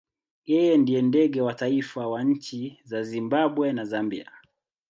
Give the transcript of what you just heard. Yeye ndiye ndege wa kitaifa wa nchi za Zimbabwe na Zambia.